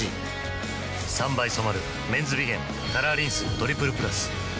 ３倍染まる「メンズビゲンカラーリンストリプルプラス」